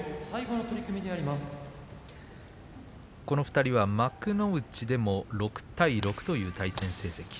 この２人は幕内でも６対６という対戦成績。